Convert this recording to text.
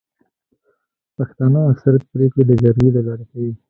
پښتانه اکثريت پريکړي د جرګي د لاري کوي.